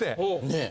ねえ。